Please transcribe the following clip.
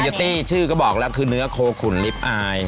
ตี้ชื่อก็บอกแล้วคือเนื้อโคขุนลิฟต์อาย